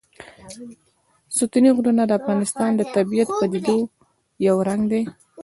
ستوني غرونه د افغانستان د طبیعي پدیدو یو رنګ دی.